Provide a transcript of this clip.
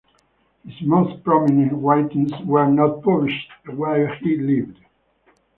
His most prominent writings were not published while he lived.